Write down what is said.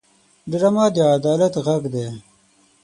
ډرامه د عدالت غږ دی